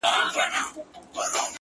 د شپې له تورې پنجابيه سره دال وهي;